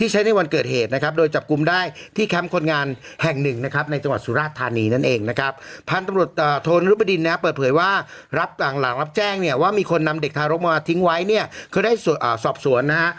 หลังรับแจ้งเนี่ยว่ามีคนนำเด็กทารกมาทิ้งไว้เนี่ยเค้าได้สอบสวนนะฮะ